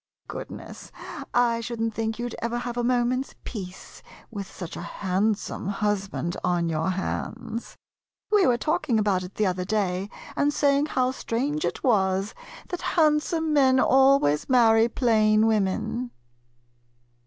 Goodness, I should n't think you 'd ever have a moment's peace with such a handsome husband on your hands. We were talking about it the other day, and say ing how strange it was that handsome men always marry plain women.